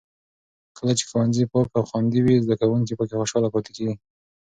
کله چې ښوونځي پاک او خوندي وي، زده کوونکي پکې خوشحاله پاتې کېږي.